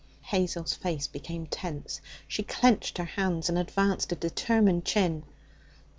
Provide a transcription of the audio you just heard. Hazel's face became tense. She clenched her hands and advanced a determined chin.